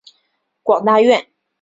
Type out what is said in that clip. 广大院。